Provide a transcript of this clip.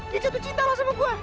dia jatuh cinta lah sama gue